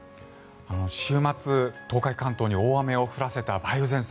週末、東海・関東に大雨を降らせた梅雨前線